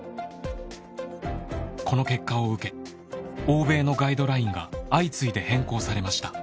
この結果を受け欧米のガイドラインが相次いで変更されました。